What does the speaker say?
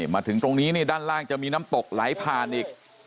มาถึงตรงนี้นี่ด้านล่างจะมีน้ำตกไหลผ่านอีก